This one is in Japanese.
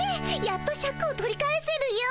やっとシャクを取り返せるよ。